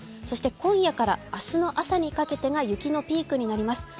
そして今夜から明日の朝にかけてが雪のピークになります。